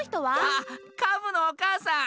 あっカブのおかあさん！